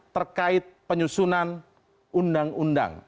terkait penyusunan undang undang